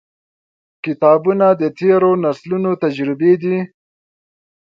• کتابونه، د تیرو نسلونو تجربې دي.